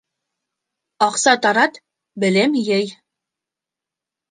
Аҡса тарат, белем йый.